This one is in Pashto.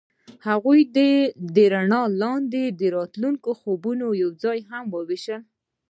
هغوی د رڼا لاندې د راتلونکي خوبونه یوځای هم وویشل.